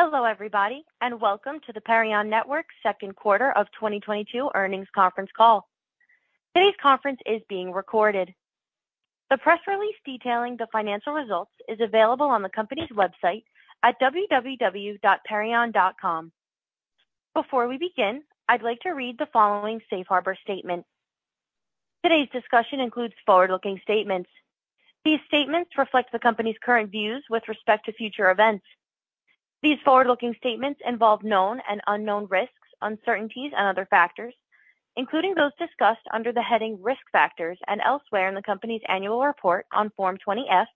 Hello, everybody, and welcome to the Perion Network second quarter of 2022 earnings conference call. Today's conference is being recorded. The press release detailing the financial results is available on the company's website at www.perion.com. Before we begin, I'd like to read the following safe harbor statement. Today's discussion includes forward-looking statements. These statements reflect the company's current views with respect to future events. These forward-looking statements involve known and unknown risks, uncertainties and other factors, including those discussed under the heading Risk Factors and elsewhere in the company's annual report on Form 20-F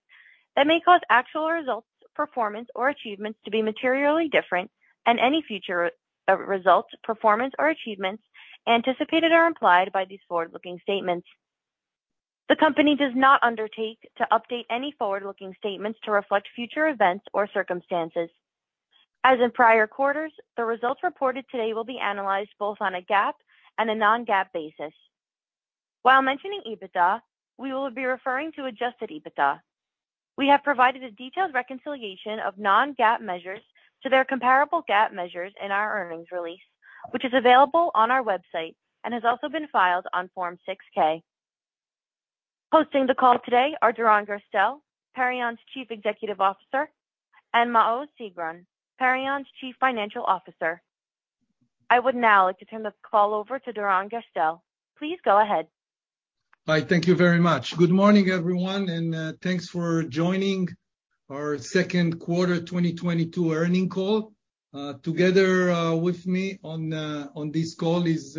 that may cause actual results, performance or achievements to be materially different from any future results, performance or achievements anticipated or implied by these forward-looking statements. The company does not undertake to update any forward-looking statements to reflect future events or circumstances. As in prior quarters, the results reported today will be analyzed both on a GAAP and a non-GAAP basis. While mentioning EBITDA, we will be referring to adjusted EBITDA. We have provided a detailed reconciliation of non-GAAP measures to their comparable GAAP measures in our earnings release, which is available on our website and has also been filed on Form 6-K. Hosting the call today are Doron Gerstel, Perion's Chief Executive Officer, and Maoz Sigron, Perion's Chief Financial Officer. I would now like to turn the call over to Doron Gerstel. Please go ahead. Hi. Thank you very much. Good morning, everyone, and thanks for joining our second quarter 2022 earnings call. Together with me on this call is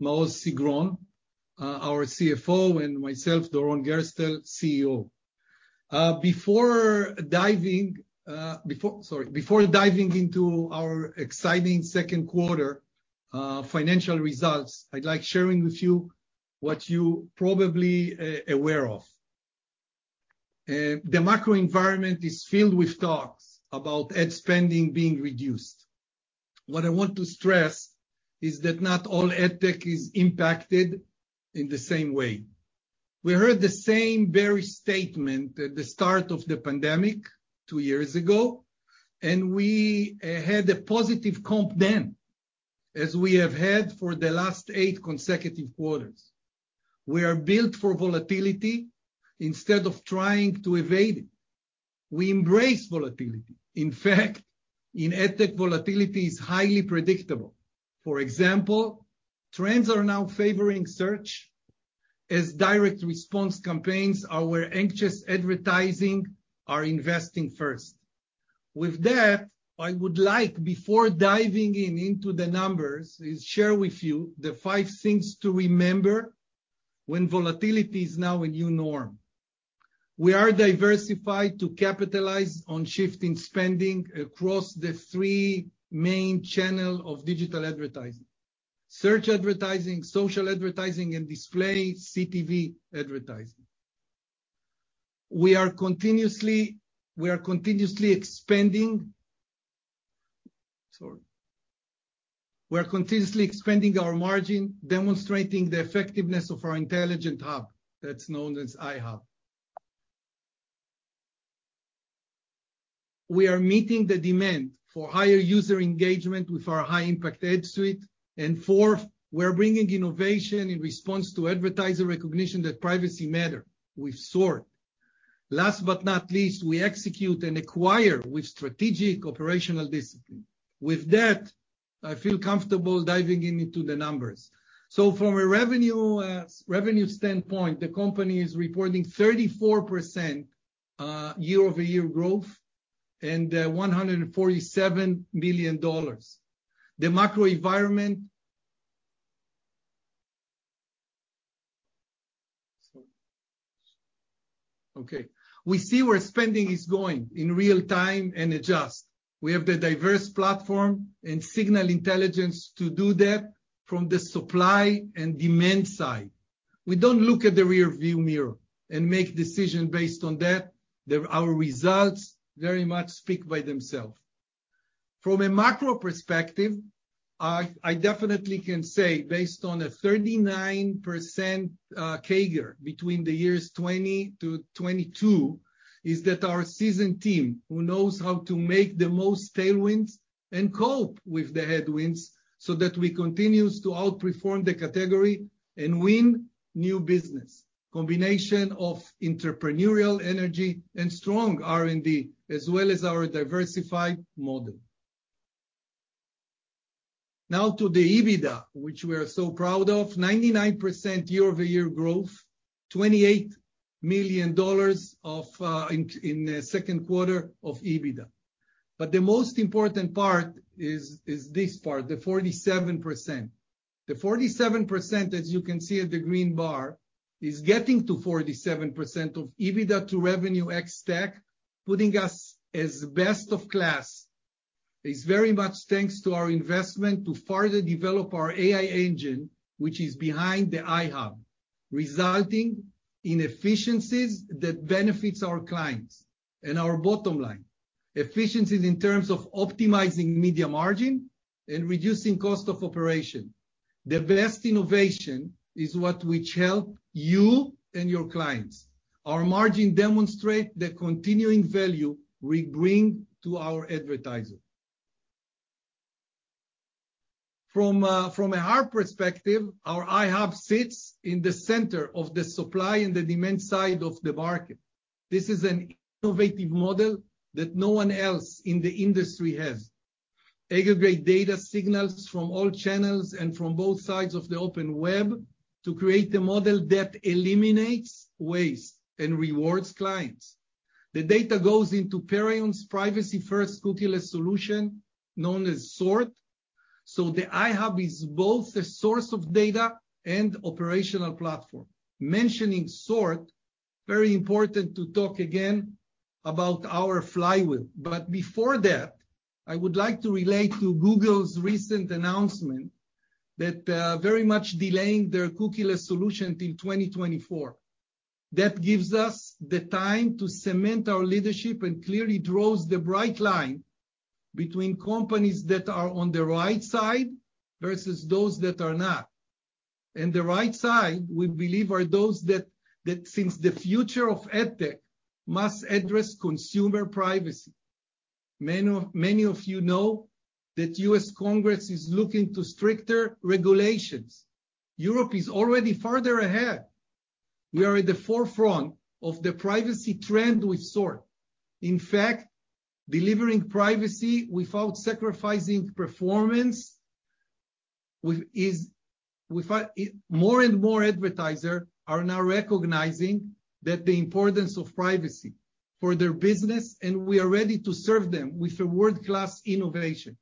Maoz Sigron, our CFO, and myself, Doron Gerstel, CEO. Before diving into our exciting second quarter financial results, I'd like to share with you what you probably are aware of. The macro environment is filled with talks about ad spending being reduced. What I want to stress is that not all ad tech is impacted in the same way. We heard the very same statement at the start of the pandemic two years ago, and we had a positive comp then, as we have had for the last eight consecutive quarters. We are built for volatility instead of trying to evade it. We embrace volatility. In fact, in ad tech, volatility is highly predictable. For example, trends are now favoring search as direct response campaigns are where anxious advertisers are investing first. With that, I would like, before diving into the numbers, to share with you the five things to remember when volatility is now a new norm. We are diversified to capitalize on shifting spending across the three main channels of digital advertising, search advertising, social advertising, and display CTV advertising. We are continuously expanding our margin, demonstrating the effectiveness of our intelligent hub that's known as iHub. We are meeting the demand for higher user engagement with our high impact ad suite. Fourth, we're bringing innovation in response to advertiser recognition that privacy matters with SORT. Last but not least, we execute and acquire with strategic operational discipline. With that, I feel comfortable diving into the numbers. From a revenue standpoint, the company is reporting 34% year-over-year growth and $147 million. We see where spending is going in real-time and adjust. We have the diverse platform and signal intelligence to do that from the supply and demand side. We don't look at the rearview mirror and make decision based on that. Our results very much speak for themselves. From a macro perspective, I definitely can say, based on a 39% CAGR between the years 2020-2022, is that our seasoned team who knows how to make the most tailwinds and cope with the headwinds so that we continues to outperform the category and win new business. Combination of entrepreneurial energy and strong R&D as well as our diversified model. Now to the EBITDA, which we are so proud of. 99% year-over-year growth, $28 million in the second quarter of EBITDA. The most important part is this part, the 47%. The 47%, as you can see at the green bar, is getting to 47% of EBITDA to revenue x stack, putting us as best of class, is very much thanks to our investment to further develop our AI engine, which is behind the iHub, resulting in efficiencies that benefits our clients and our bottom line. Efficiencies in terms of optimizing media margin and reducing cost of operation. The best innovation is what which help you and your clients. Our margin demonstrate the continuing value we bring to our advertiser. From a higher perspective, our iHub sits in the center of the supply and the demand side of the market. This is an innovative model that no one else in the industry has. Aggregate data signals from all channels and from both sides of the open web to create a model that eliminates waste and rewards clients. The data goes into Perion's privacy first cookieless solution known as SORT. The iHub is both the source of data and operational platform. Mentioning SORT, very important to talk again about our flywheel. Before that, I would like to relate to Google's recent announcement that very much delaying their cookieless solution till 2024. That gives us the time to cement our leadership and clearly draws the bright line between companies that are on the right side versus those that are not. The right side, we believe, are those that since the future of AdTech must address consumer privacy. Many of you know that U.S. Congress is looking at stricter regulations. Europe is already farther ahead. We are at the forefront of the privacy trend with SORT. In fact, delivering privacy without sacrificing performance. More and more advertisers are now recognizing that the importance of privacy for their business, and we are ready to serve them with a world-class innovation.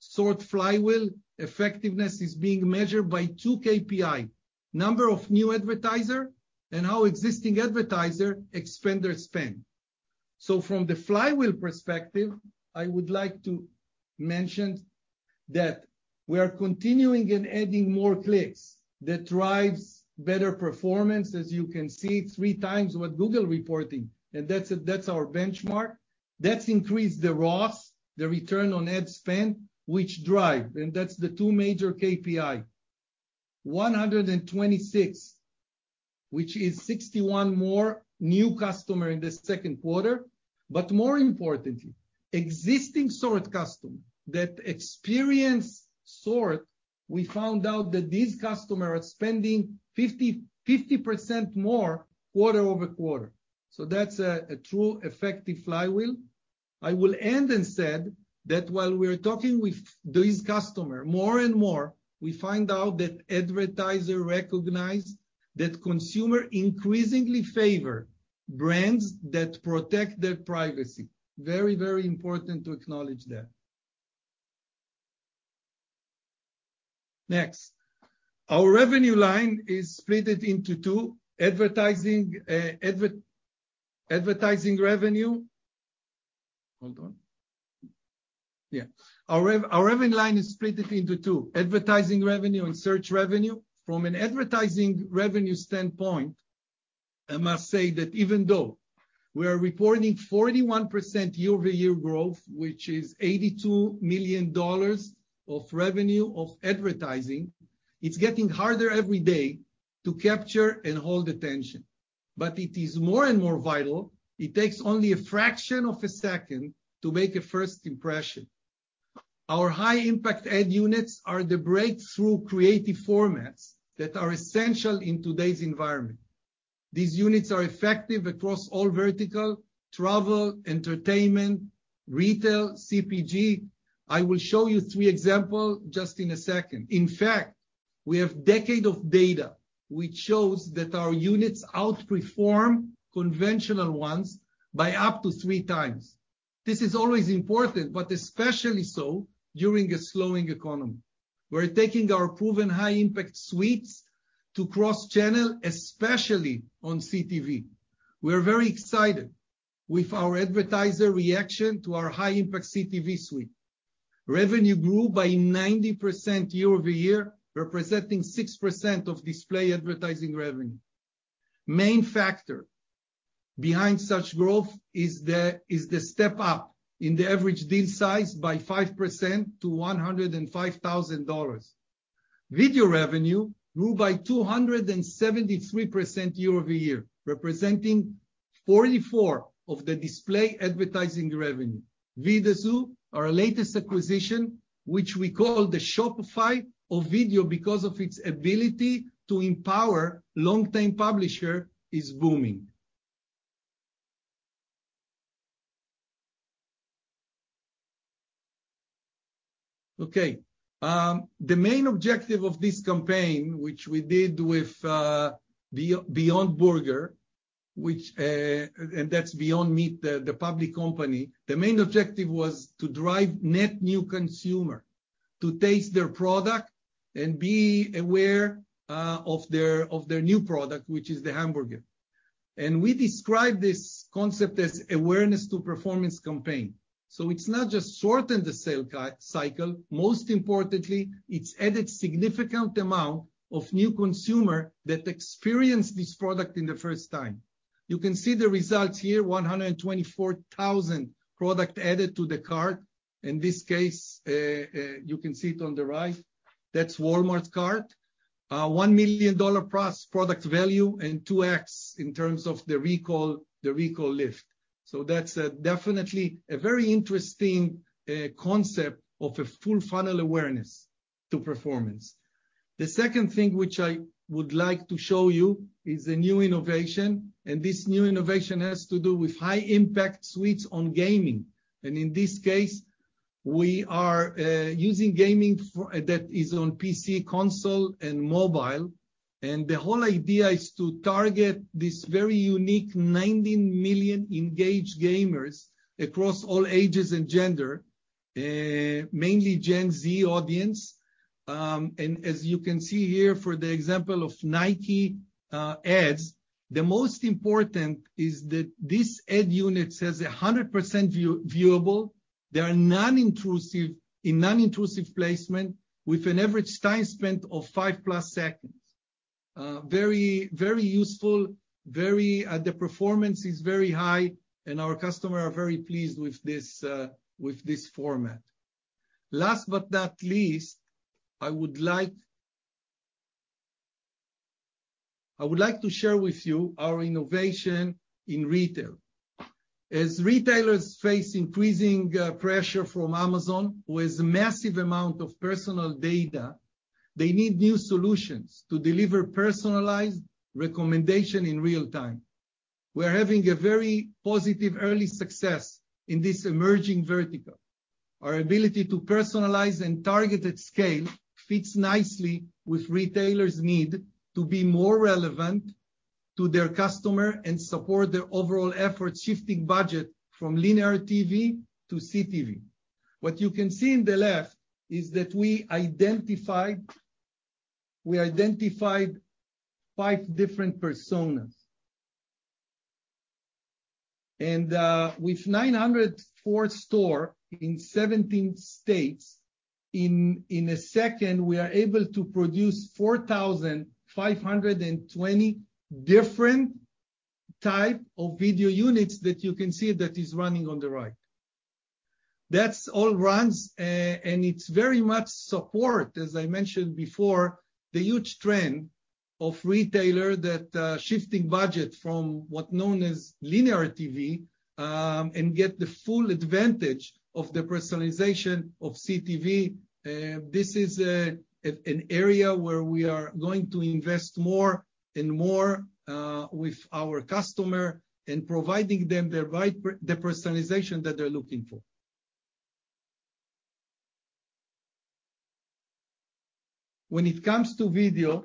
SORT flywheel effectiveness is being measured by two KPI, number of new advertiser and how existing advertiser expand their spend. From the flywheel perspective, I would like to mention that we are continuing and adding more clicks that drives better performance, as you can see, three times what Google reporting. That's our benchmark. That's increased the ROAS, the return on ad spend, which drive. That's the two major KPI. 126, which is 61 more new customer in the second quarter. More importantly, existing SORT customer that experienced SORT, we found out that these customers are spending 50% more quarter-over-quarter. That's a true effective flywheel. I will end and said that while we're talking with these customer, more and more, we find out that advertisers recognize that consumer increasingly favor brands that protect their privacy. Very important to acknowledge that. Next, our revenue line is split into two, advertising revenue. Our revenue line is split into two, advertising revenue and search revenue. From an advertising revenue standpoint, I must say that even though we are reporting 41% year-over-year growth, which is $82 million of revenue of advertising, it's getting harder every day to capture and hold attention. It is more and more vital. It takes only a fraction of a second to make a first impression. Our high-impact ad units are the breakthrough creative formats that are essential in today's environment. These units are effective across all verticals: travel, entertainment, retail, CPG. I will show you three examples just in a second. In fact, we have a decade of data which shows that our units outperform conventional ones by up to three times. This is always important, but especially so during a slowing economy. We're taking our proven high-impact suites to cross-channel, especially on CTV. We are very excited with our advertiser reaction to our high-impact CTV suite. Revenue grew by 90% year-over-year, representing 6% of display advertising revenue. Main factor behind such growth is the step up in the average deal size by 5% to $105,000. Video revenue grew by 273% year-over-year, representing 44% of the display advertising revenue. Vidazoo, our latest acquisition, which we call the Shopify of video because of its ability to empower long-tail publisher, is booming. The main objective of this campaign, which we did with Beyond Burger, and that's Beyond Meat, the public company. The main objective was to drive net new consumer to taste their product and be aware of their new product, which is the hamburger. We describe this concept as awareness to performance campaign. It's not just shortening the sales cycle. Most importantly, it's adding a significant amount of new consumers that experienced this product for the first time. You can see the results here, 124,000 products added to the cart. In this case, you can see it on the right, that's Walmart cart. $1 million product value and 2x in terms of the recall, the recall lift. That's definitely a very interesting concept of a full funnel awareness to performance. The second thing which I would like to show you is a new innovation, and this new innovation has to do with high-impact suites on gaming. In this case, we are using gaming that is on PC, console, and mobile. The whole idea is to target this very unique 19 million engaged gamers across all ages and gender, mainly Gen Z audience. As you can see here, for the example of Nike ads, the most important is that this ad unit says 100% viewable. They are non-intrusive, in non-intrusive placement with an average time spent of five plus seconds. Very useful, the performance is very high, and our customer are very pleased with this format. Last but not least, I would like to share with you our innovation in retail. As retailers face increasing pressure from Amazon, who has a massive amount of personal data, they need new solutions to deliver personalized recommendation in real time. We're having a very positive early success in this emerging vertical. Our ability to personalize and target at scale fits nicely with retailers' need to be more relevant to their customer and support their overall efforts, shifting budget from linear TV to CTV. What you can see on the left is that we identified five different personas. With 904 stores in 17 states, in a second, we are able to produce 4,520 different type of video units that you can see that is running on the right. That's all runs and it's very much support, as I mentioned before, the huge trend of retailer that shifting budget from what's known as linear TV and get the full advantage of the personalization of CTV. This is an area where we are going to invest more and more with our customers and providing them the right personalization that they're looking for. When it comes to video,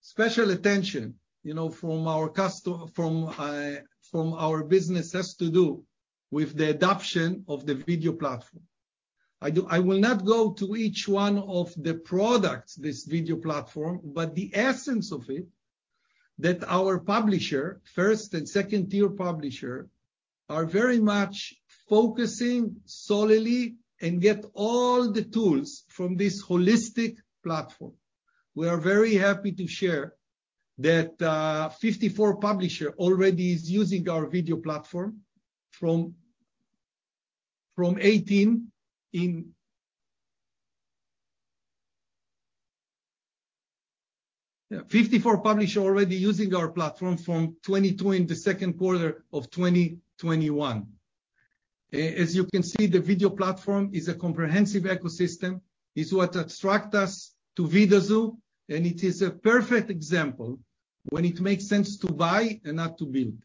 special attention from our business has to do with the adoption of the video platform. I will not go to each one of the products, this video platform, but the essence of it, that our publishers, first- and second-tier publishers, are very much focusing solely and get all the tools from this holistic platform. We are very happy to share that 54 publishers already are using our video platform from 18 in the second quarter of 2021. As you can see, the video platform is a comprehensive ecosystem. It's what attract us to Vidazoo, and it is a perfect example when it makes sense to buy and not to build.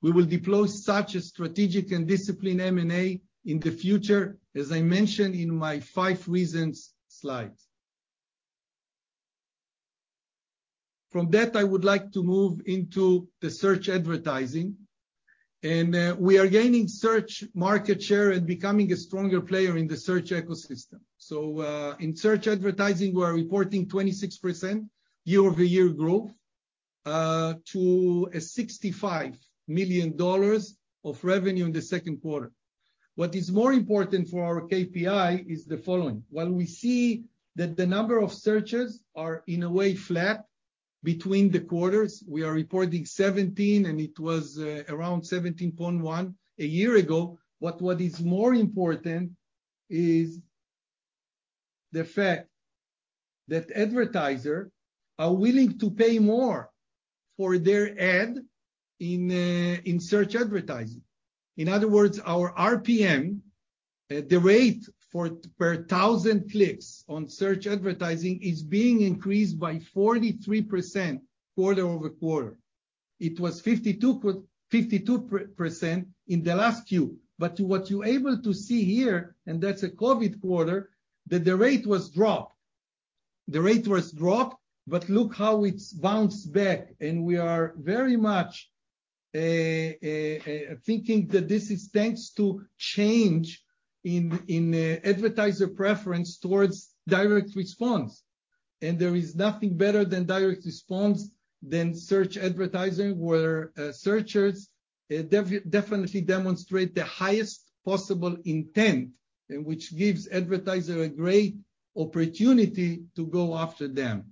We will deploy such a strategic and disciplined M&A in the future, as I mentioned in my five reasons slides. From that, I would like to move into the search advertising. We are gaining search market share and becoming a stronger player in the search ecosystem. In search advertising, we are reporting 26% year-over-year growth to $65 million of revenue in the second quarter. What is more important for our KPI is the following. While we see that the number of searches are in a way flat between the quarters, we are reporting 17, and it was around 17.1 a year ago. What is more important is the fact that advertisers are willing to pay more for their ads in search advertising. In other words, our RPM, the rate per thousand clicks on search advertising, is being increased by 43% quarter-over-quarter. It was 52% in the last Q. What you're able to see here, and that's a COVID quarter, the rate was dropped, but look how it's bounced back. We are very much thinking that this is thanks to change in advertisers preference towards direct response. There is nothing better than direct response than search advertising, where searchers. It definitely demonstrate the highest possible intent, and which gives advertiser a great opportunity to go after them.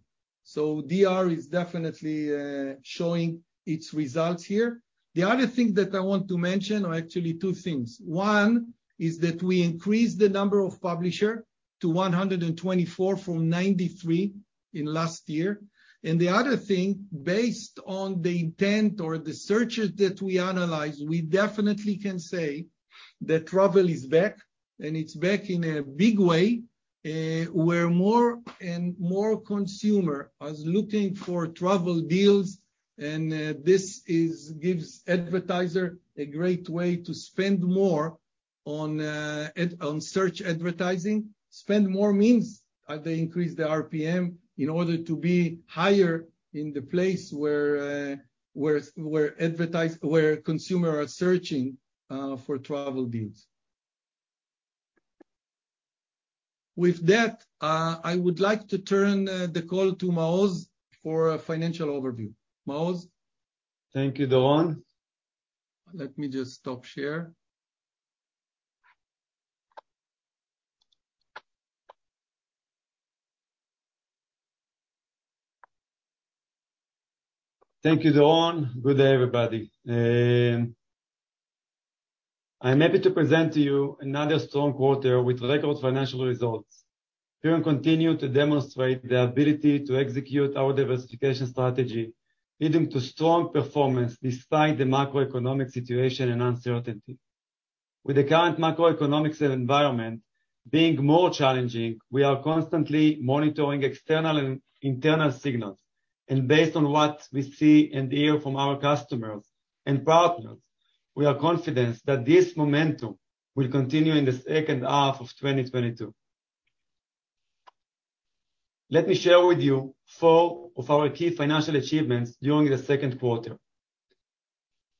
DR is definitely showing its results here. The other thing that I want to mention, or actually two things. One is that we increased the number of publisher to 124 from 93 in last year. The other thing, based on the intent or the searches that we analyze, we definitely can say that travel is back, and it's back in a big way, where more and more consumer are looking for travel deals, and this gives advertiser a great way to spend more on search advertising. Spend more means they increase their RPM in order to be higher in the place where consumers are searching for travel deals. With that, I would like to turn the call to Maoz for a financial overview. Maoz? Thank you, Doron. Let me just stop sharing. Thank you, Doron. Good day, everybody. I'm happy to present to you another strong quarter with record financial results. Here we continue to demonstrate the ability to execute our diversification strategy, leading to strong performance despite the macroeconomic situation and uncertainty. With the current macroeconomics and environment being more challenging, we are constantly monitoring external and internal signals. Based on what we see and hear from our customers and partners, we are confident that this momentum will continue in the second half of 2022. Let me share with you four of our key financial achievements during the second quarter.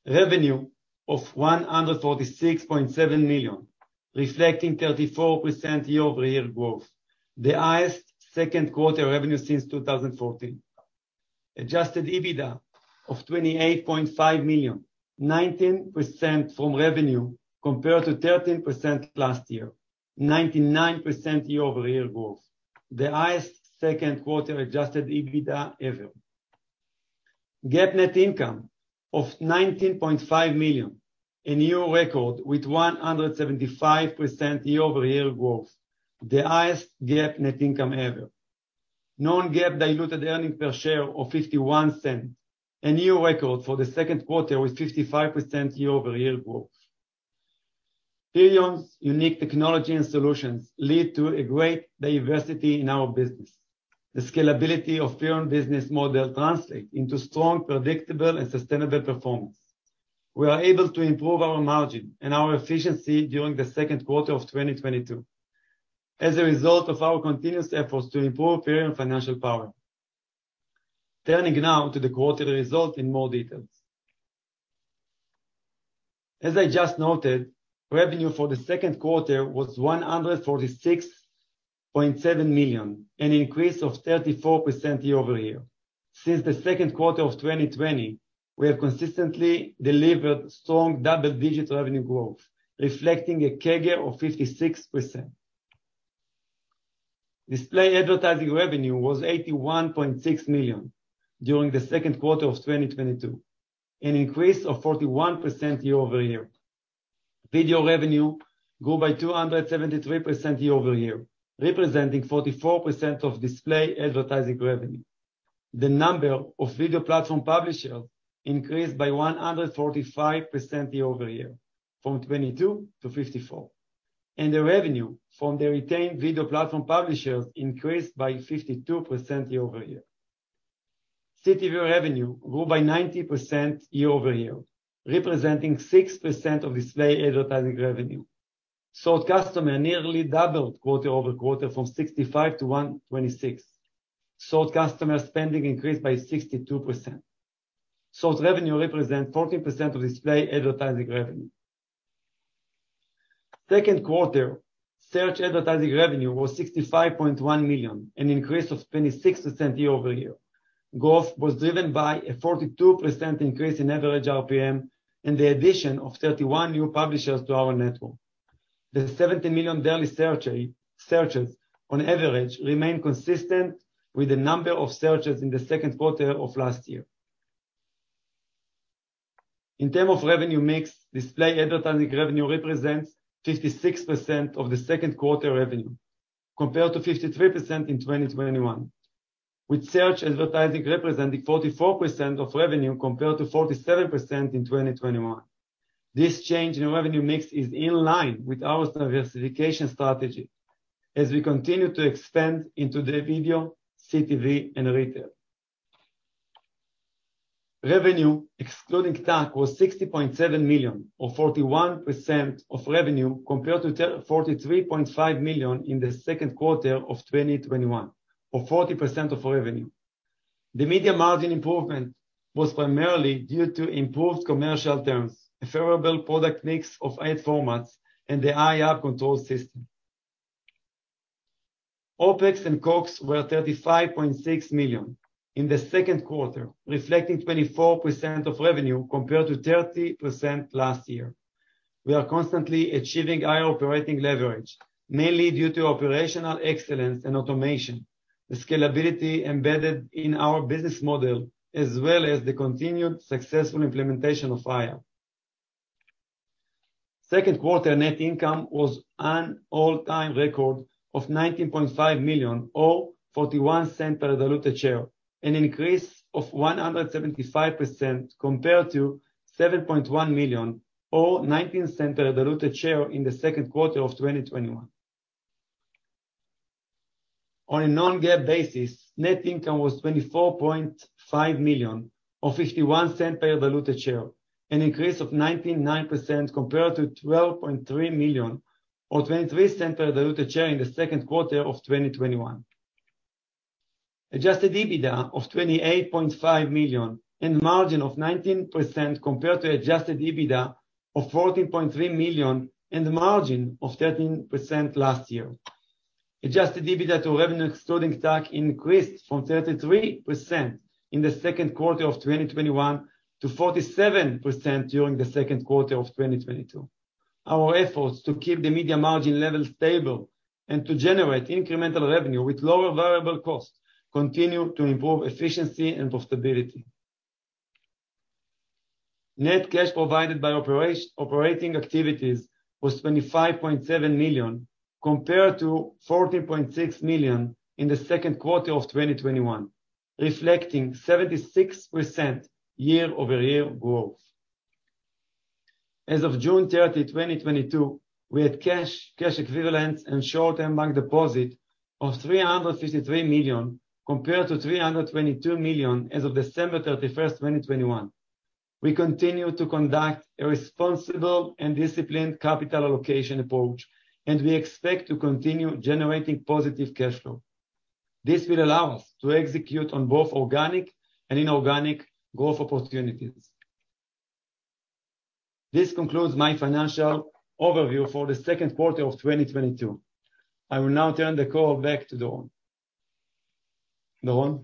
Revenue of $146.7 million, reflecting 34% year-over-year growth. The highest second quarter revenue since 2014. Adjusted EBITDA of $28.5 million, 19% from revenue, compared to 13% last year. 99% year-over-year growth. The highest second quarter-adjusted EBITDA ever. GAAP net income of $19.5 million, a new record with 175% year-over-year growth, the highest GAAP net income ever. Non-GAAP diluted earnings per share of $0.51, a new record for the second quarter with 55% year-over-year growth. Perion's unique technology and solutions lead to a great diversity in our business. The scalability of Perion business model translate into strong, predictable and sustainable performance. We are able to improve our margin and our efficiency during the second quarter of 2022 as a result of our continuous efforts to improve Perion financial power. Turning now to the quarterly result in more details. As I just noted, revenue for the second quarter was $146.7 million, an increase of 34% year-over-year. Since the second quarter of 2020, we have consistently delivered strong double-digit revenue growth, reflecting a CAGR of 56%. Display advertising revenue was $81.6 million during the second quarter of 2022, an increase of 41% year-over-year. Video revenue grew by 273% year-over-year, representing 44% of display advertising revenue. The number of video platform publishers increased by 145% year-over-year from 22-54, and the revenue from the retained video platform publishers increased by 52% year-over-year. CTV revenue grew by 90% year-over-year, representing 6% of display advertising revenue. Sold customer nearly doubled quarter-over-quarter from 65-126. Sold customer spending increased by 62%. Sold revenue represents 14% of display advertising revenue. Second quarter search advertising revenue was $65.1 million, an increase of 26% year-over-year. Growth was driven by a 42% increase in average RPM and the addition of 31 new publishers to our network. The 70 million daily searches on average remain consistent with the number of searches in the second quarter of last year. In terms of revenue mix, display advertising revenue represents 56% of the second quarter revenue, compared to 53% in 2021, with search advertising representing 44% of revenue compared to 47% in 2021. This change in revenue mix is in line with our diversification strategy as we continue to expand into the video, CTV and retail. Revenue excluding tax was $60.7 million or 41% of revenue compared to $43.5 million in the second quarter of 2021, or 40% of revenue. The media margin improvement was primarily due to improved commercial terms, a favorable product mix of ad formats and the AI control system. OpEx and COGS were $35.6 million in the second quarter, reflecting 24% of revenue compared to 30% last year. We are constantly achieving higher operating leverage, mainly due to operational excellence and automation, the scalability embedded in our business model, as well as the continued successful implementation of AI. Second quarter net income was an all-time record of $19.5 million or $0.41 per diluted share, an increase of 175% compared to $7.1 million or $0.19 per diluted share in the second quarter of 2021. On a non-GAAP basis, net income was $24.5 million or $0.51 per diluted share, an increase of 99% compared to $12.3 million or $0.23 per diluted share in the second quarter of 2021. Adjusted EBITDA of $28.5 million and margin of 19% compared to adjusted EBITDA of $14.3 million and a margin of 13% last year. Adjusted EBITDA to revenue excluding tax increased from 33% in the second quarter of 2021 to 47% during the second quarter of 2022. Our efforts to keep the media margin level stable and to generate incremental revenue with lower variable costs continue to improve efficiency and profitability. Net cash provided by operating activities was $25.7 million compared to $14.6 million in the second quarter of 2021, reflecting 76% year-over-year growth. As of June 30th, 2022, we had cash equivalents, and short-term bank deposit of $353 million compared to $322 million as of December 31st, 2021. We continue to conduct a responsible and disciplined capital allocation approach, and we expect to continue generating positive cash flow. This will allow us to execute on both organic and inorganic growth opportunities. This concludes my financial overview for the second quarter of 2022. I will now turn the call back to Doron. Doron?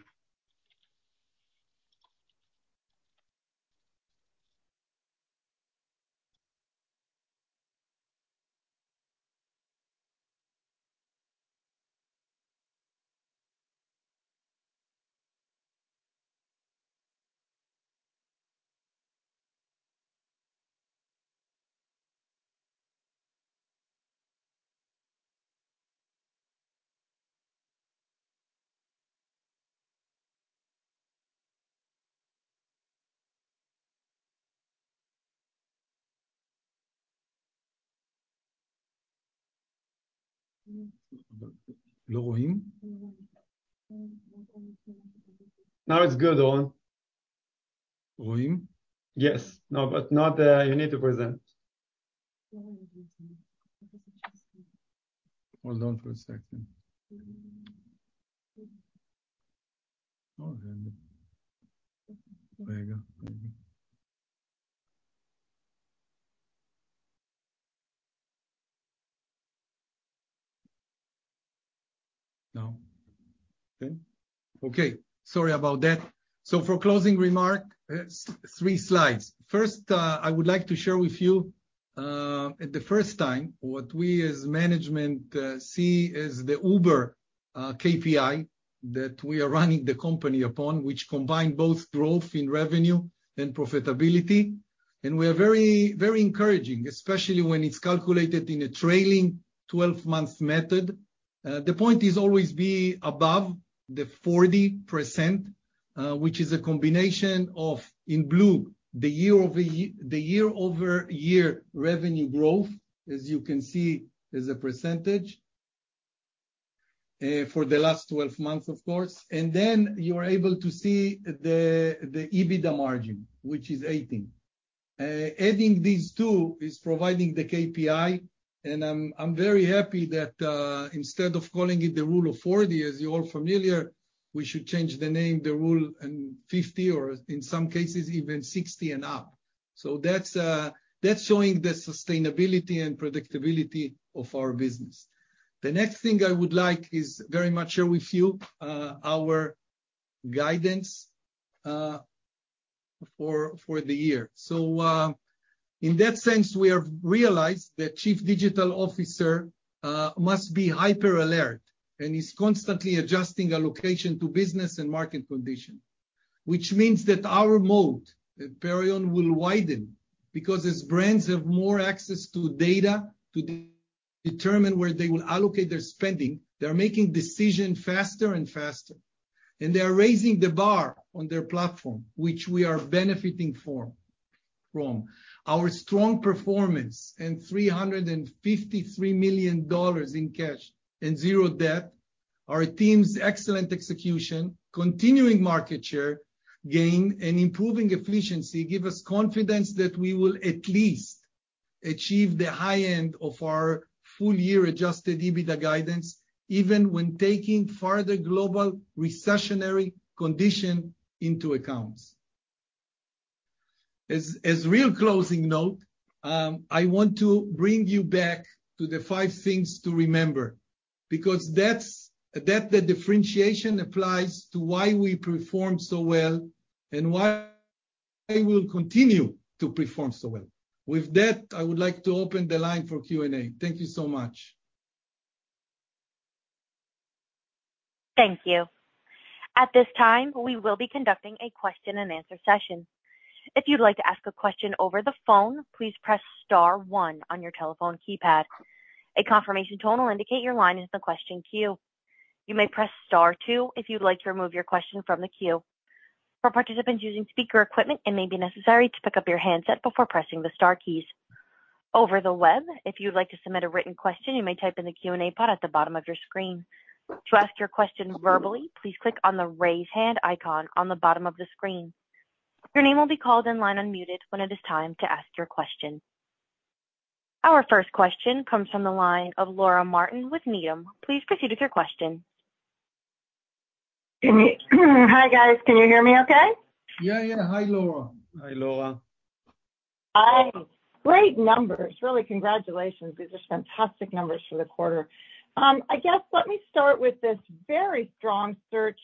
Now it's good, Doron. Yes. No, but not, you need to present. Hold on for a second. No? Okay. Okay, sorry about that. For closing remark, last three slides. First, I would like to share with you, for the first time, what we as management see as the uber KPI that we are running the company upon, which combine both growth in revenue and profitability. It is very encouraging, especially when it's calculated in a trailing twelve months method. The point is always be above the 40%, which is a combination of, in blue, the year-over-year revenue growth, as you can see, as a percentage, for the last twelve months, of course. Then you are able to see the EBITDA margin, which is 18%. Adding these two is providing the KPI, and I'm very happy that instead of calling it the Rule of 40, as you're all familiar, we should change the name to the rule of 50, or in some cases, even 60 and up. That's showing the sustainability and predictability of our business. The next thing I would like very much to share with you our guidance for the year. In that sense, we have realized that chief digital officer must be hyper-alert and is constantly adjusting allocation to business and market conditions. Which means that our moat at Perion will widen because as brands have more access to data to determine where they will allocate their spending, they're making decisions faster and faster, and they are raising the bar on their platform, which we are benefiting from. Our strong performance and $353 million in cash and zero debt, our team's excellent execution, continuing market share gain, and improving efficiency give us confidence that we will at least achieve the high end of our full-year adjusted EBITDA guidance, even when taking further global recessionary conditions into account. As a real closing note, I want to bring you back to the five things to remember because that's the differentiation applies to why we perform so well and why we will continue to perform so well. With that, I would like to open the line for Q&A. Thank you so much. Thank you. At this time, we will be conducting a question-and-answer session. If you'd like to ask a question over the phone, please press star one on your telephone keypad. A confirmation tone will indicate your line is in the question queue. You may press star two if you'd like to remove your question from the queue. For participants using speaker equipment, it may be necessary to pick up your handset before pressing the star keys. Over the web, if you'd like to submit a written question, you may type in the Q&A pod at the bottom of your screen. To ask your question verbally, please click on the Raise Hand icon on the bottom of the screen. Your name will be called in line unmuted when it is time to ask your question. Our first question comes from the line of Laura Martin with Needham & Company. Please proceed with your question. Hi, guys. Can you hear me okay? Yeah, yeah. Hi, Laura. Hi, Laura. Hi. Great numbers. Really, congratulations. These are fantastic numbers for the quarter. I guess let me start with this very strong search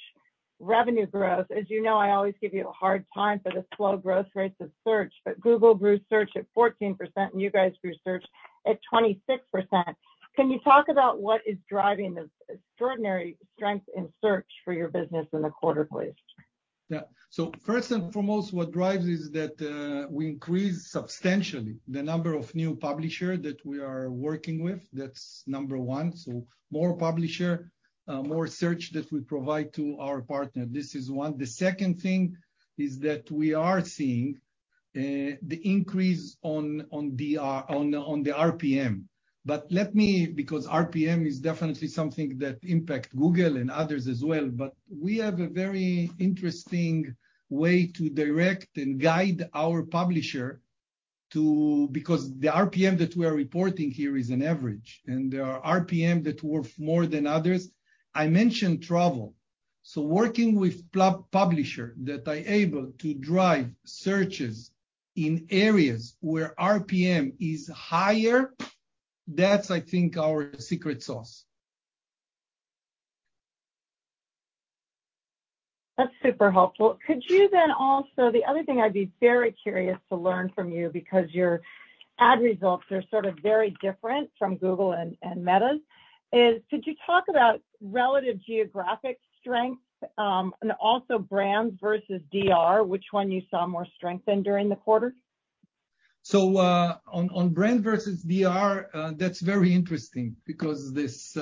revenue growth. As you know, I always give you a hard time for the slow growth rates of search, but Google grew search at 14%, and you guys grew search at 26%. Can you talk about what is driving this extraordinary strength in search for your business in the quarter, please? Yeah. First and foremost, what drives is that we increase substantially the number of new publisher that we are working with. That's number one. More publisher, more search that we provide to our partner. This is one. The second thing is that we are seeing the increase on the RPM. But because RPM is definitely something that impact Google and others as well, but we have a very interesting way to direct and guide our publisher because the RPM that we are reporting here is an average, and there are RPM that worth more than others. I mentioned travel, so working with publisher that are able to drive searches in areas where RPM is higher, that's, I think, our secret sauce. That's super helpful. Could you then also the other thing I'd be very curious to learn from you, because your ad results are sort of very different from Google and Meta's, is could you talk about relative geographic strength, and also brands versus DR, which one you saw more strength in during the quarter? On brand versus DR, that's very interesting because this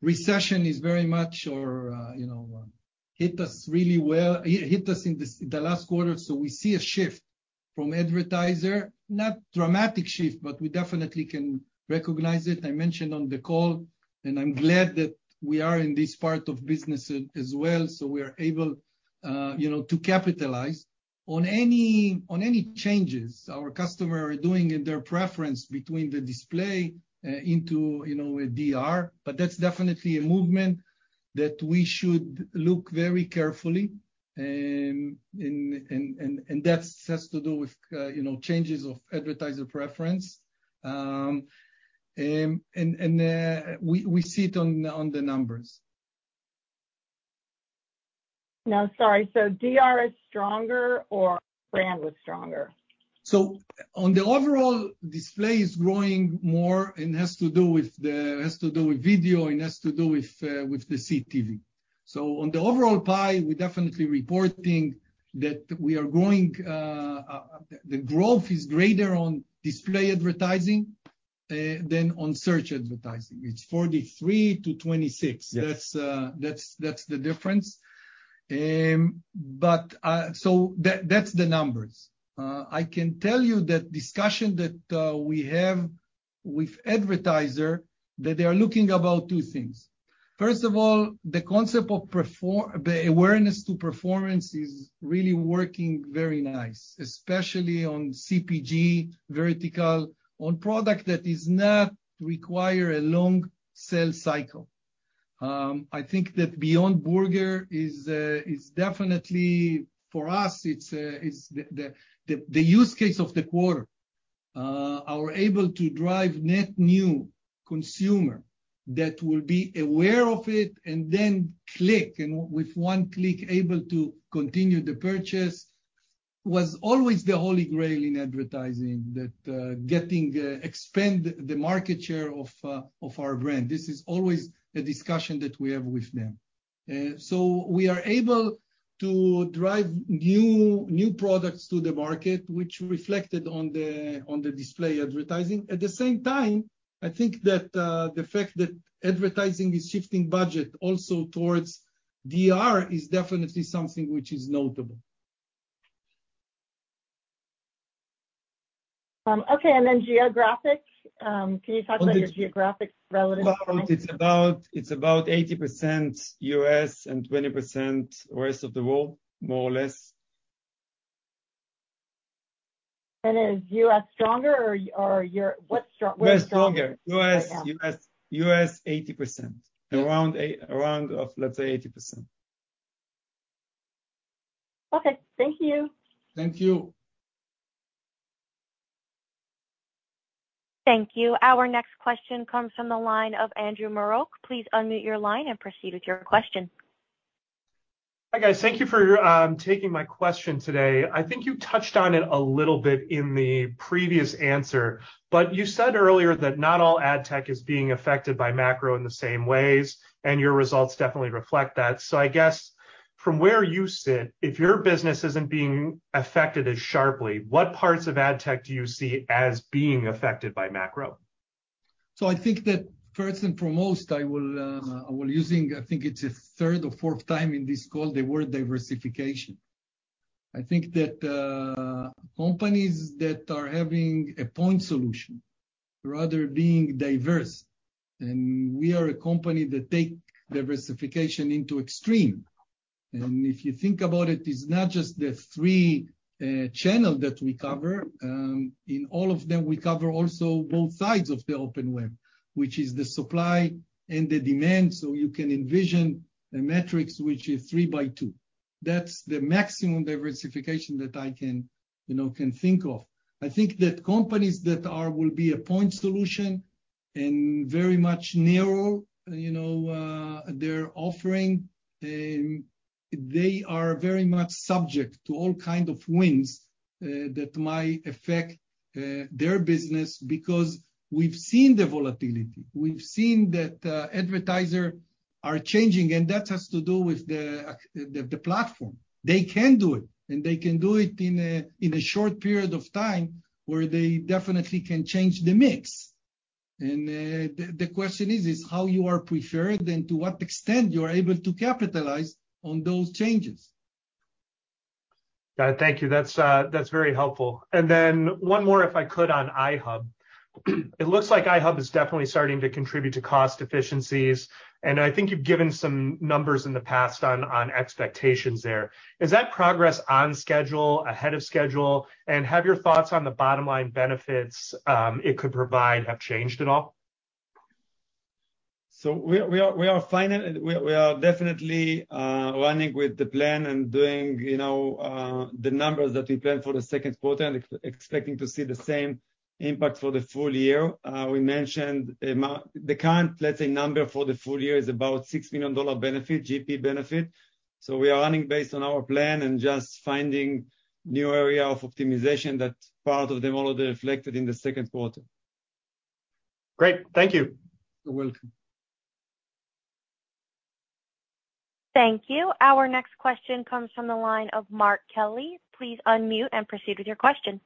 recession is very much, you know, hit us in the last quarter. We see a shift from advertiser, not dramatic shift, but we definitely can recognize it. I mentioned on the call, and I'm glad that we are in this part of business as well, so we are able, you know, to capitalize on any changes our customer are doing in their preference between the display into a DR, but that's definitely a movement that we should look very carefully. And that has to do with, you know, changes of advertiser preference. And we see it on the numbers. No, sorry. DR is stronger or brand was stronger? On the overall, display is growing more and has to do with video, and has to do with the CTV. On the overall pie, we're definitely reporting that we are growing, the growth is greater on display advertising, than on search advertising. It's 43% to 26%. That's the difference. That's the numbers. I can tell you the discussion that we have with advertisers that they are looking about two things. First of all, the concept of the awareness to performance is really working very nice, especially on CPG vertical, on product that does not require a long sales cycle. I think that Beyond Burger is definitely for us, it's the use case of the quarter. We are able to drive net new consumer that will be aware of it and then click, and with one click able to continue the purchase was always the holy grail in advertising, getting to expand the market share of our brand. This is always a discussion that we have with them. We are able to drive new products to the market, which reflected on the display advertising. At the same time, I think that the fact that advertising is shifting budget also towards DR is definitely something which is notable. Okay. Can you talk about your geographic relative- It's about 80% U.S. and 20% rest of the world, more or less. Is U.S. stronger or EUR? What's stronger right now? U.S. stronger. U.S. 80%. Around 80% of, let's say 80%. Okay, thank you. Thank you. Thank you. Our next question comes from the line of Andrew Marok. Please unmute your line and proceed with your question. Hi, guys. Thank you for taking my question today. I think you touched on it a little bit in the previous answer, but you said earlier that not all ad tech is being affected by macro in the same ways, and your results definitely reflect that. I guess from where you sit, if your business isn't being affected as sharply, what parts of ad tech do you see as being affected by macro? I think that first and foremost, I will using, I think it's the third or fourth time in this call, the word diversification. I think that companies that are having a point solution rather being diverse, and we are a company that take diversification into extreme. If you think about it's not just the three channel that we cover, in all of them we cover also both sides of the open web, which is the supply and the demand. You can envision a metrics which is three by two. That's the maximum diversification that I can, you know, think of. I think that companies that will be a point solution and very much narrow, you know, their offering, they are very much subject to all kinds of winds that might affect their business, because we've seen the volatility. We've seen that advertisers are changing, and that has to do with the platform. They can do it, and they can do it in a short period of time where they definitely can change the mix. The question is how you are performing, and to what extent you are able to capitalize on those changes. Got it. Thank you. That's very helpful. One more if I could on iHub. It looks like iHub is definitely starting to contribute to cost efficiencies, and I think you've given some numbers in the past on expectations there. Is that progress on schedule, ahead of schedule, and have your thoughts on the bottom line benefits it could provide changed at all? We are definitely running with the plan and doing, you know, the numbers that we planned for the second quarter and expecting to see the same impact for the full year. We mentioned the current, let's say, number for the full year is about $6 million benefit, GP benefit. We are running based on our plan and just finding new area of optimization that part of them already reflected in the second quarter. Great. Thank you. You're welcome. Thank you. Our next question comes from the line of Mark Kelley. Please unmute and proceed with your question.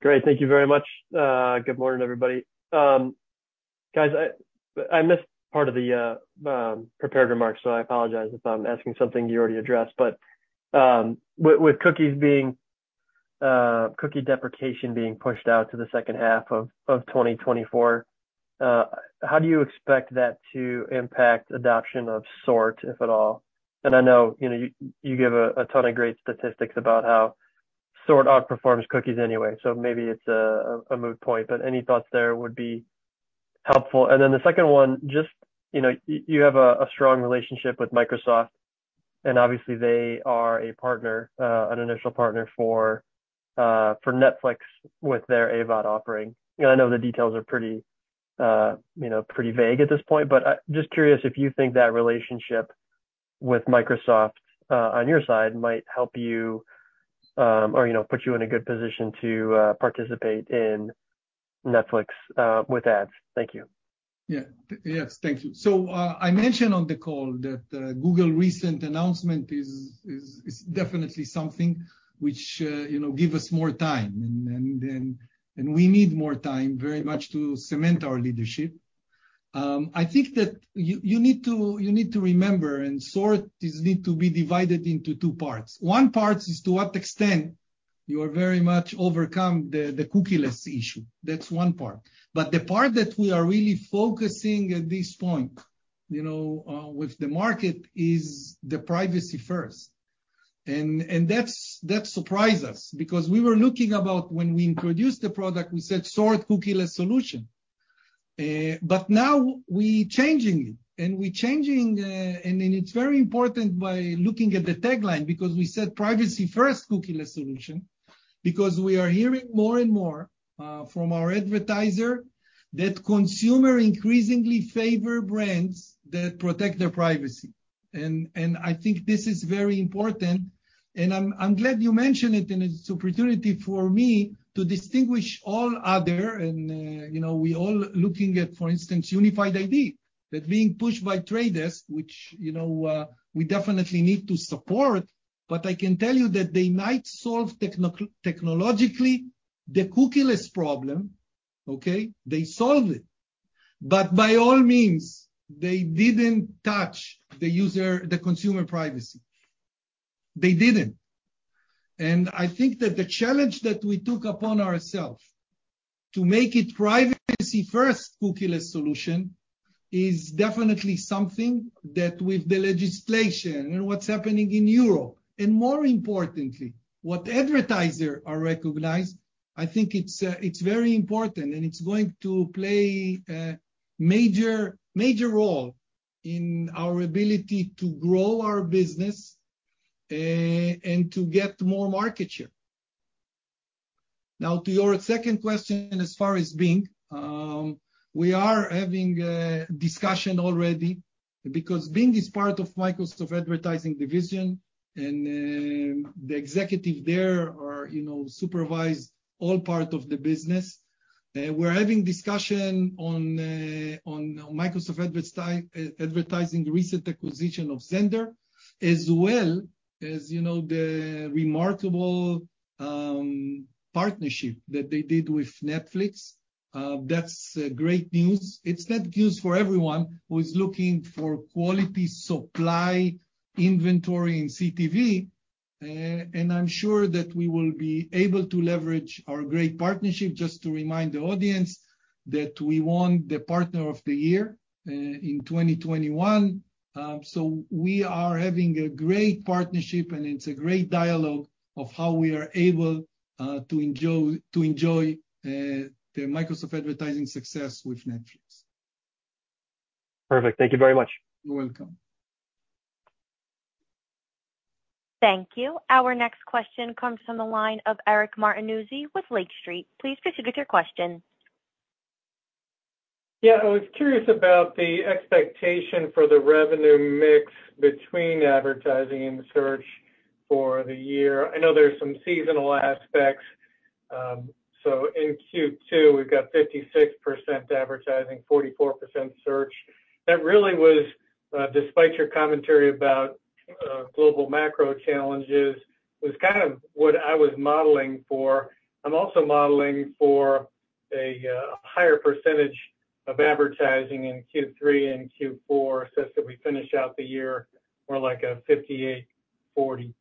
Great. Thank you very much. Good morning, everybody. Guys, I missed part of the prepared remarks, so I apologize if I'm asking something you already addressed. With cookie deprecation being pushed out to the second half of 2024, how do you expect that to impact adoption of SORT, if at all? I know, you know, you give a ton of great statistics about how SORT outperforms cookies anyway, so maybe it's a moot point, but any thoughts there would be helpful. The second one, just, you know, you have a strong relationship with Microsoft, and obviously they are a partner, an initial partner for Netflix with their AVOD offering. I know the details are pretty, you know, pretty vague at this point, but just curious if you think that relationship with Microsoft on your side might help you, or, you know, put you in a good position to participate in Netflix with ads. Thank you. Yes. Thank you. I mentioned on the call that Google's recent announcement is definitely something which you know gives us more time, and we need more time very much to cement our leadership. I think that you need to remember, SORT needs to be divided into two parts. One part is to what extent you have very much overcome the cookieless issue. That's one part. The part that we are really focusing on this point, you know, with the market is the privacy-first. That surprised us because we were talking about when we introduced the product, we said SORT cookieless solution. Now we're changing it. It's very important by looking at the tagline because we said privacy first cookieless solution, because we are hearing more and more from our advertiser that consumer increasingly favor brands that protect their privacy. I think this is very important, and I'm glad you mentioned it, and it's opportunity for me to distinguish all other and, you know, we all looking at, for instance, Unified ID that's being pushed by The Trade Desk, which, you know, we definitely need to support. I can tell you that they might solve technologically the cookieless problem, okay? They solve it. By all means, they didn't touch the user, the consumer privacy. They didn't. I think that the challenge that we took upon ourselves to make a privacy-first cookieless solution is definitely something that with the legislation and what's happening in Europe, and more importantly, what advertisers are recognizing. I think it's very important, and it's going to play a major role in our ability to grow our business, and to get more market share. Now to your second question, as far as Bing, we are having a discussion already because Bing is part of Microsoft Advertising division, and the executives there, you know, supervise all parts of the business. We're having discussion on Microsoft Advertising recent acquisition of Xandr, as well as, you know, the remarkable partnership that they did with Netflix. That's great news. It's good news for everyone who is looking for quality supply inventory in CTV. I'm sure that we will be able to leverage our great partnership. Just to remind the audience that we won the Partner of the Year in 2021. We are having a great partnership, and it's a great dialogue of how we are able to enjoy the Microsoft Advertising success with Netflix. Perfect. Thank you very much. You're welcome. Thank you. Our next question comes from the line of Eric Martinuzzi with Lake Street. Please proceed with your question. Yeah. I was curious about the expectation for the revenue mix between advertising and search for the year. I know there's some seasonal aspects. In Q2, we've got 56% advertising, 44% search. That really was, despite your commentary about global macro challenges, was kind of what I was modeling for. I'm also modeling for a higher percentage of advertising in Q3 and Q4, such that we finish out the year more like a 58%-42%.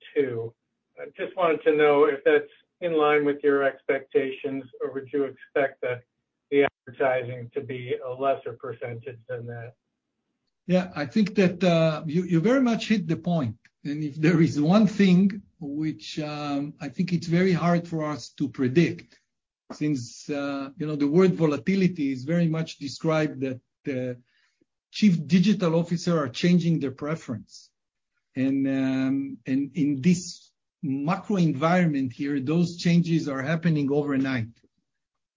I just wanted to know if that's in line with your expectations, or would you expect the advertising to be a lesser percentage than that? Yeah. I think that you very much hit the point. If there is one thing which I think it's very hard for us to predict since you know, the world's volatility very much describes that the chief digital officers are changing their preferences. In this macro environment here, those changes are happening overnight.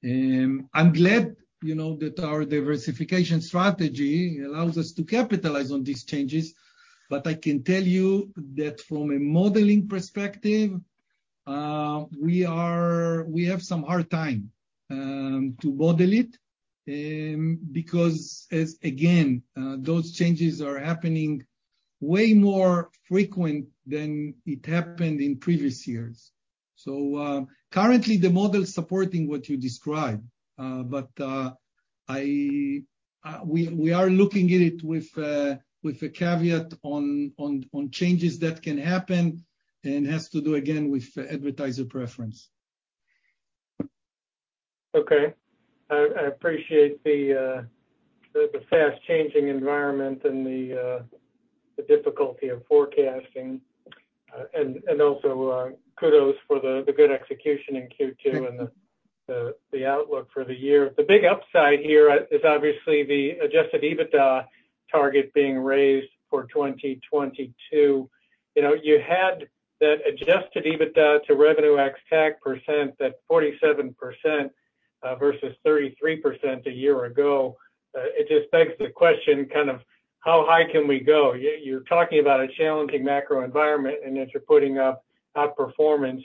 I'm glad you know, that our diversification strategy allows us to capitalize on these changes, but I can tell you that from a modeling perspective, we have some hard time to model it because again, those changes are happening way more frequently than they happened in previous years. Currently the model is supporting what you described. We are looking at it with a caveat on changes that can happen and has to do, again, with advertiser preference. Okay. I appreciate the fast changing environment and the difficulty of forecasting. Kudos for the good execution in Q2 and the outlook for the year. The big upside here is obviously the adjusted EBITDA target being raised for 2022. You know, you had that adjusted EBITDA to revenue ex-TAC percent that 47% versus 33% a year ago. It just begs the question, kind of how high can we go? You're talking about a challenging macro environment and yet you're putting up outperformance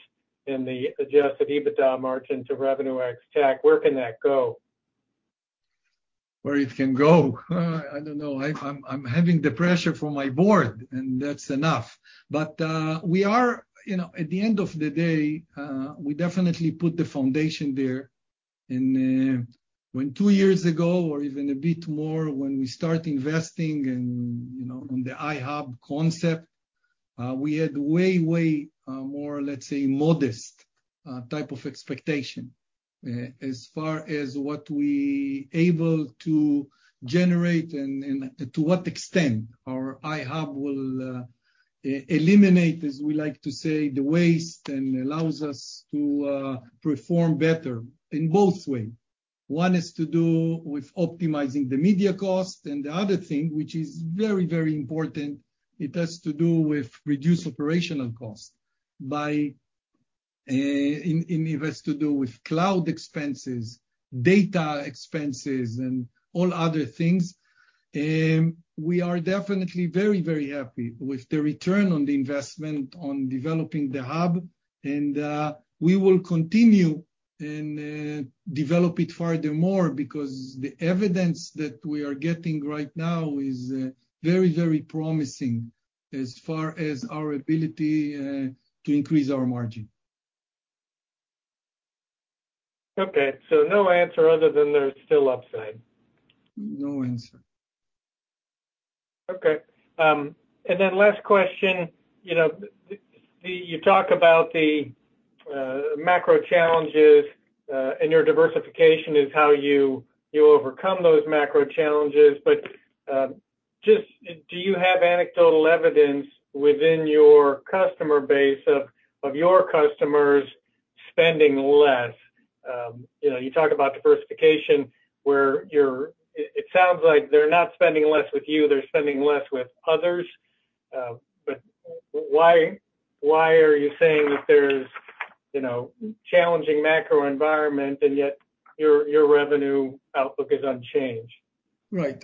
in the adjusted EBITDA margin to revenue ex-TAC. Where can that go? Where it can go? I don't know. I'm having the pressure from my board, and that's enough. We are, you know, at the end of the day, we definitely put the foundation there. When two years ago, or even a bit more, when we start investing and, you know, on the iHub concept, we had way more, let's say, modest type of expectation, as far as what we able to generate and to what extent our iHub will eliminate, as we like to say, the waste and allows us to perform better in both way. One is to do with optimizing the media cost, and the other thing, which is very, very important, it has to do with reduced operational costs in ways to do with cloud expenses, data expenses, and all other things. We are definitely very, very happy with the return on the investment on developing the hub, and we will continue and develop it furthermore because the evidence that we are getting right now is very, very promising as far as our ability to increase our margin. Okay. So no answer other than there's still upside. No answer. Okay. Last question. You know, you talk about the macro challenges, and your diversification is how you overcome those macro challenges. Just do you have anecdotal evidence within your customer base of your customers spending less? You know, you talk about diversification, where it sounds like they're not spending less with you, they're spending less with others. Why are you saying that there's, you know, challenging macro environment and yet your revenue outlook is unchanged? You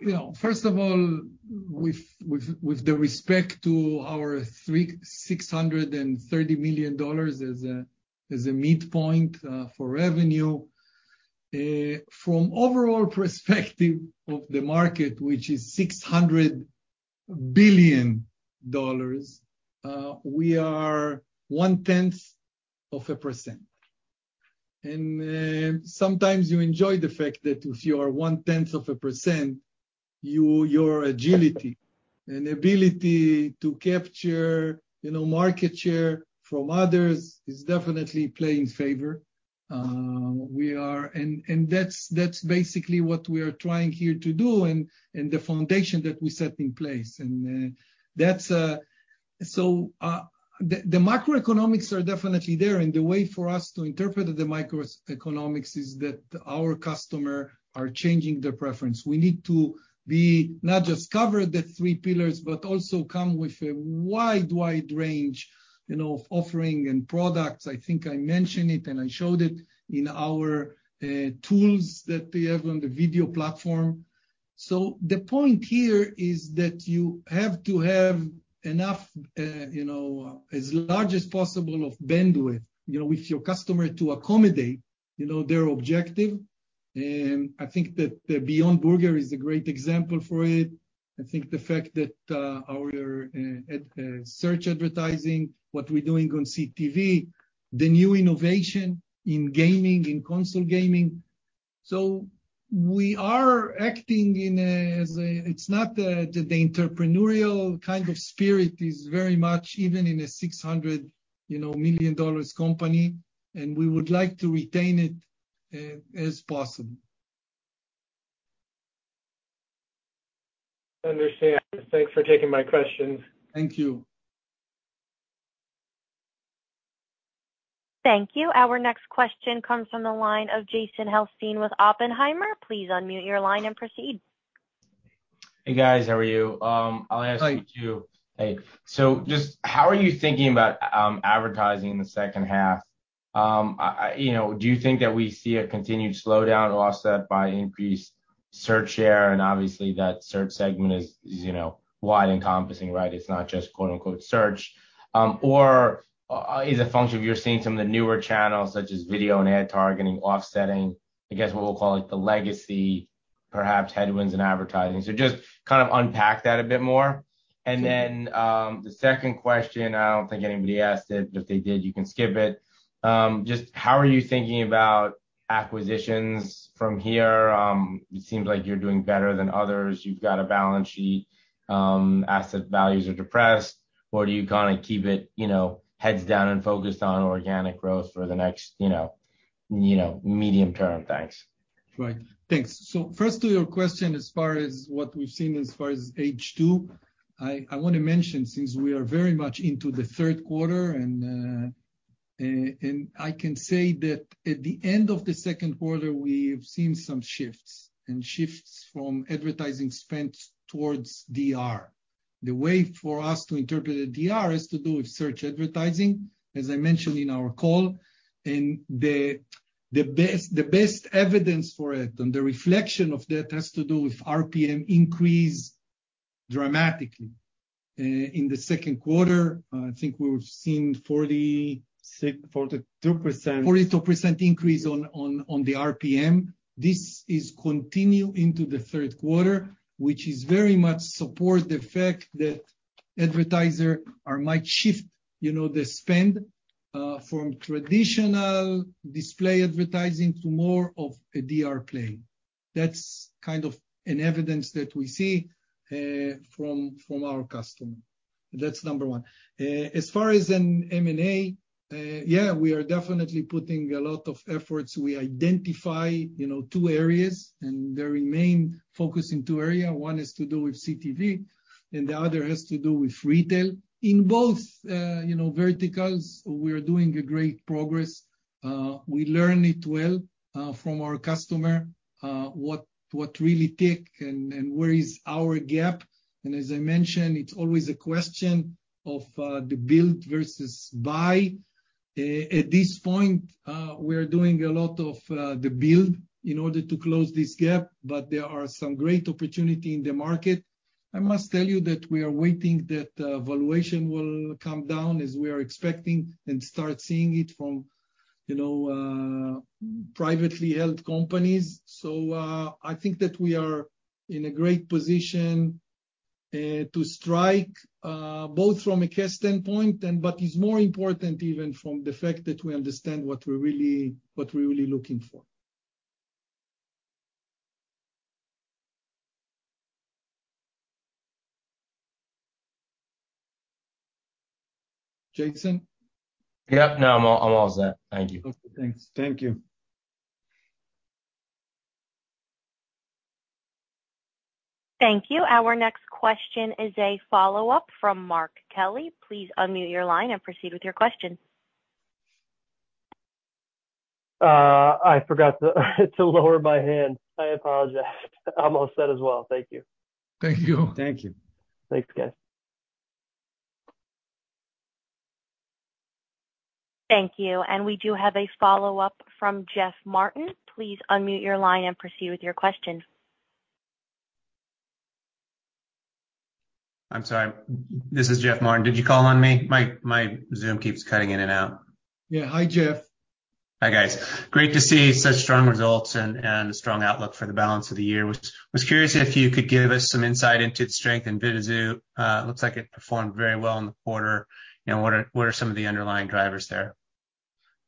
know, first of all, with respect to our $630 million as a midpoint for revenue, from overall perspective of the market, which is $600 billion, we are 0.1%. Sometimes you enjoy the fact that if you are 0.1%, your agility and ability to capture, you know, market share from others is definitely plays in favor. That's basically what we are trying here to do and the foundation that we set in place. The macroeconomics are definitely there, and the way for us to interpret the macroeconomics is that our customers are changing their preferences. We need to not just cover the three pillars, but also come with a wide range, you know, offering and products. I think I mentioned it, and I showed it in our tools that we have on the video platform. The point here is that you have to have enough, you know, as large as possible of bandwidth, you know, with your customer to accommodate, you know, their objective. I think that the Beyond Burger is a great example for it. I think the fact that our search advertising, what we're doing on CTV, the new innovation in gaming, in console gaming. The entrepreneurial kind of spirit is very much even in a $600, you know, million company, and we would like to retain it as possible. Understand. Thanks for taking my questions. Thank you. Thank you. Our next question comes from the line of Jason Helfstein with Oppenheimer. Please unmute your line and proceed. Hey, guys. How are you? I'll ask you two. Hi. Hey. Just how are you thinking about advertising in the second half? I you know do you think that we see a continued slowdown offset by increased search share, and obviously, that search segment is you know wide encompassing, right? It's not just quote-unquote search. Is a function of you're seeing some of the newer channels such as video and ad targeting offsetting, I guess, what we'll call it, the legacy, perhaps headwinds in advertising? Just kind of unpack that a bit more. And then, the second question, I don't think anybody asked it, but if they did, you can skip it. Just how are you thinking about acquisitions from here? It seems like you're doing better than others. You've got a balance sheet. Asset values are depressed. Do you kinda keep it, you know, heads down and focused on organic growth for the next, you know, medium term? Thanks. Right. Thanks. First to your question, as far as what we've seen as far as H2, I wanna mention since we are very much into the third quarter, and I can say that at the end of the second quarter, we've seen some shifts from advertising spend towards DR. The way for us to interpret DR has to do with search advertising, as I mentioned in our call, and the best evidence for it and the reflection of that has to do with RPM increase dramatically. In the second quarter, I think we've seen %46- 42%. 42% increase on the RPM. This continues into the third quarter, which very much supports the fact that advertisers might shift, you know, the spend from traditional display advertising to more of a DR play. That's kind of evidence that we see from our customer. That's number one. As far as M&A, yeah, we are definitely putting a lot of effort. We identify, you know, two areas, and we remain focused on two areas. One is to do with CTV, and the other has to do with retail. In both, you know, verticals, we're making great progress. We learned it well from our customer what really clicks and where our gap is. As I mentioned, it's always a question of the build versus buy. At this point, we're doing a lot of the build in order to close this gap, but there are some great opportunities in the market. I must tell you that we are waiting that valuation will come down as we are expecting and start seeing it from, you know, privately held companies. I think that we are in a great position to strike both from a cash standpoint and is more important even from the fact that we understand what we're really looking for. Jason? Yep. No, I'm all set. Thank you. Okay, thanks. Thank you. Thank you. Our next question is a follow-up from Mark Kelley. Please unmute your line and proceed with your question. I forgot to lower my hand. I apologize. I'm all set as well. Thank you. Thank you. Thank you. Thanks, guys. Thank you. We do have a follow-up from Jeff Martin. Please unmute your line and proceed with your question. I'm sorry. This is Jeff Martin. Did you call on me? My Zoom keeps cutting in and out. Yeah. Hi, Jeff. Hi, guys. Great to see such strong results and a strong outlook for the balance of the year. Was curious if you could give us some insight into the strength in Vidazoo. It looks like it performed very well in the quarter. You know, what are some of the underlying drivers there?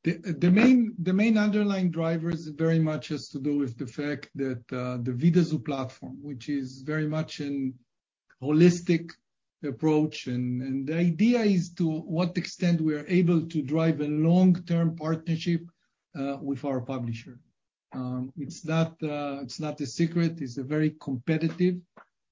The main underlying drivers very much has to do with the fact that the Vidazoo platform, which is very much a holistic approach. The idea is to what extent we are able to drive a long-term partnership with our publisher. It's not a secret. It's a very competitive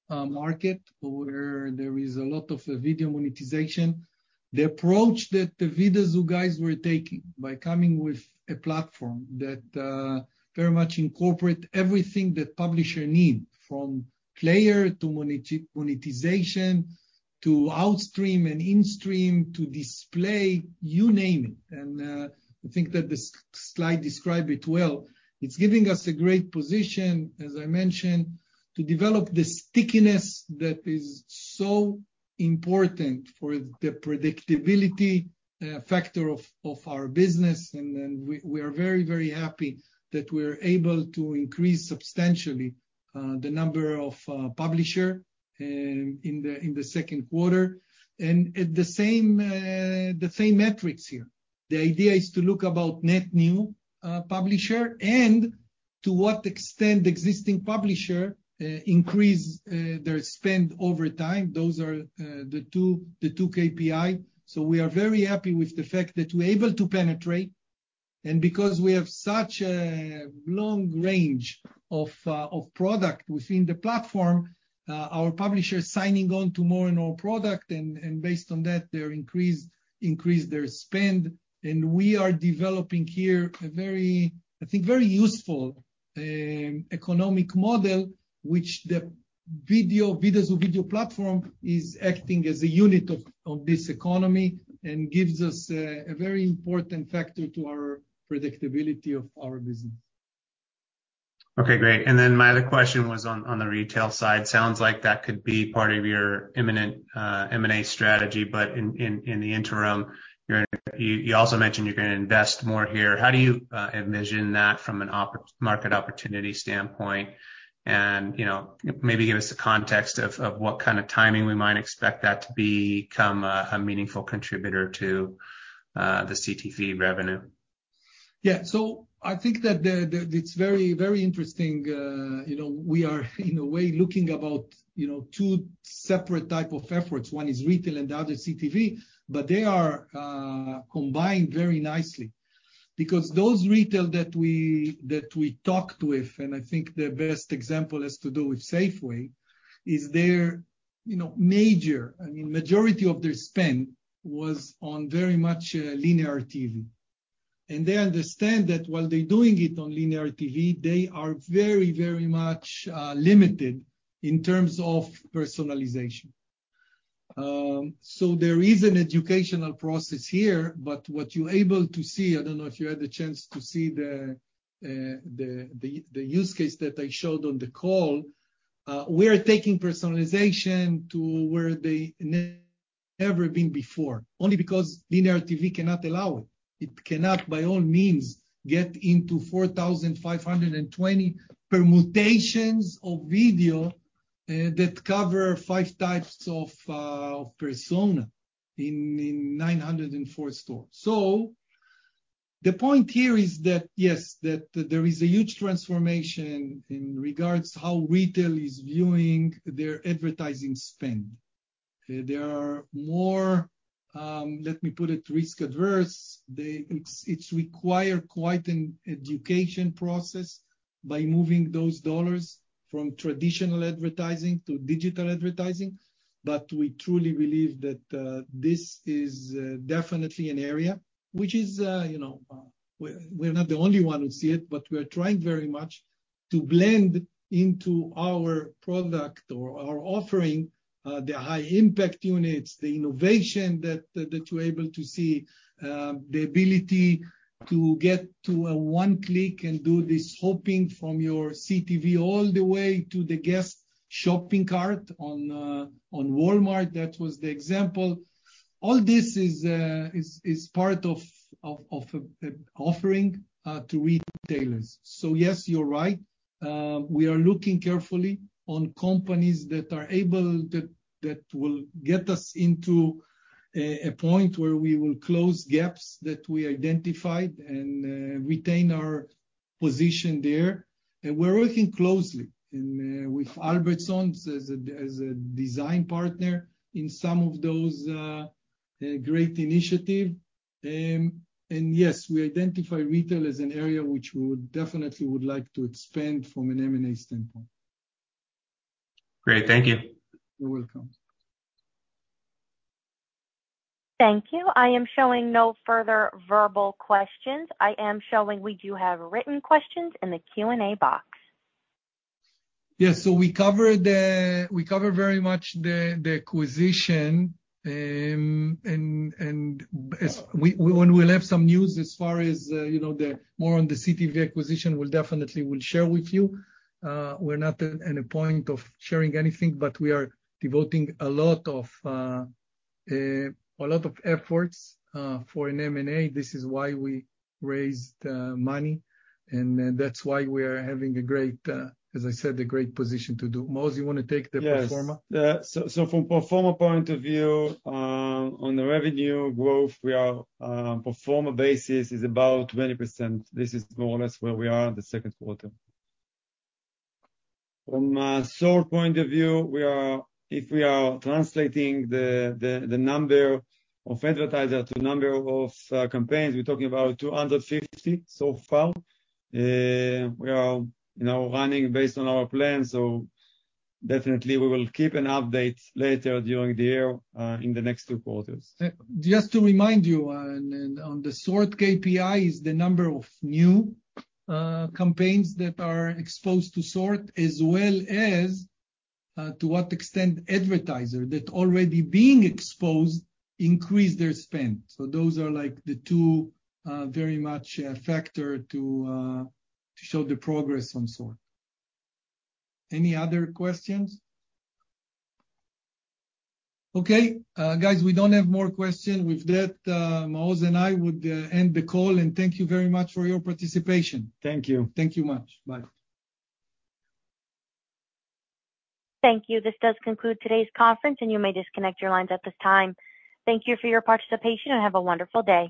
market where there is a lot of video monetization. The approach that the Vidazoo guys were taking by coming with a platform that very much incorporate everything that publisher need, from player to monetization, to outstream and instream, to display, you name it. I think that the slide describe it well. It's giving us a great position, as I mentioned, to develop the stickiness that is so important for the predictability factor of our business. We are very happy that we're able to increase substantially the number of publisher in the second quarter. At the same metrics here. The idea is to look about net new publisher and to what extent existing publisher increase their spend over time. Those are the two KPI. We are very happy with the fact that we're able to penetrate. Because we have such a long range of product within the platform, our publishers signing on to more and more product, and based on that, they increase their spend. We are developing here a very, I think, very useful economic model, which the Vidazoo video platform is acting as a unit of this economy and gives us a very important factor to our predictability of our business. Okay, great. My other question was on the retail side. Sounds like that could be part of your imminent M&A strategy, but in the interim, you also mentioned you're gonna invest more here. How do you envision that from a market opportunity standpoint? You know, maybe give us a context of what kind of timing we might expect that to become a meaningful contributor to the CTV revenue. Yeah. I think that it's very, very interesting. You know, we are, in a way, looking at about two separate type of efforts. One is retail and the other is CTV. They are combined very nicely because those retailers that we talked with, and I think the best example has to do with Safeway, is their, you know, majority of their spend was on very much linear TV. And they understand that while they're doing it on linear TV, they are very, very much limited in terms of personalization. So there is an educational process here, but what you're able to see, I don't know if you had the chance to see the use case that I showed on the call. We are taking personalization to where they never been before, only because linear TV cannot allow it. It cannot, by all means, get into 4,520 permutations of video that cover five types of persona in 904 stores. So the point here is that, yes, there is a huge transformation in regards to how retail is viewing their advertising spend. There are more, let me put it, risk-averse. It requires quite an education process by moving those dollars from traditional advertising to digital advertising. We truly believe that this is definitely an area which is, you know, we're not the only one who see it, but we are trying very much to blend into our product or our offering, the high impact units, the innovation that you're able to see, the ability to get to a one click and do this hopping from your CTV all the way to the guest shopping cart on Walmart. That was the example. All this is part of offering to retailers. Yes, you're right. We are looking carefully on companies that will get us into a point where we will close gaps that we identified and retain our position there and we're working closely with Albertsons as a design partner in some of those great initiative. Yes, we identify retail as an area which we would definitely like to expand from an M&A standpoint. Great. Thank you. You're welcome. Thank you. I am showing no further verbal questions. I am showing we do have written questions in the Q&A box. Yeah. We covered very much the acquisition. When we'll have some news as far as, you know, the more on the CTV acquisition, we'll definitely share with you. We're not at a point of sharing anything, but we are devoting a lot of efforts for an M&A. This is why we raised money, and that's why we are having a great position to do. Maoz, you wanna take the pro forma? Yes. From pro forma point of view, on the revenue growth, pro forma basis is about 20%. This is more or less where we are in the second quarter. From a SORT point of view, if we are translating the number of advertiser to number of campaigns, we're talking about 250 so far. We are, you know, running based on our plan, definitely we will keep an update later during the year, in the next two quarters. Just to remind you, and on the SORT KPI is the number of new campaigns that are exposed to SORT as well as to what extent advertiser that already being exposed increase their spend. Those are, like, the two very much factor to show the progress on SORT. Any other questions? Okay. Guys, we don't have more questions. With that, Maoz and I would end the call, and thank you very much for your participation. Thank you. Thank you much. Bye. Thank you. This does conclude today's conference, and you may disconnect your lines at this time. Thank you for your participation, and have a wonderful day.